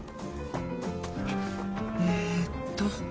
えーっと。